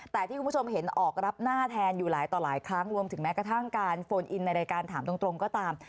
แต่ที่คุณผู้ชมเห็นออกรับหน้าแทนอยู่หลายต่อหลายครั้งรวมถึงแม้กระทั่งการโฟนอินในรายการถามตรงก็ตาม